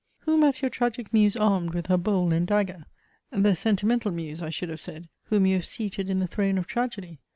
Whom has your tragic muse armed with her bowl and dagger? the sentimental muse I should have said, whom you have seated in the throne of tragedy?